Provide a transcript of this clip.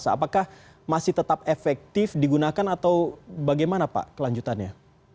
apakah masih tetap efektif digunakan atau bagaimana pak kelanjutannya